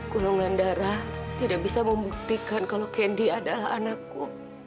gulungan darah tidak bisa membuktikan kalau kendi adalah anakku